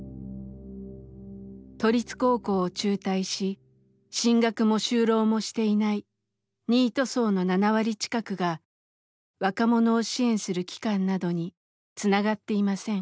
都立高校を中退し進学も就労もしていないニート層の７割近くが若者を支援する機関などにつながっていません。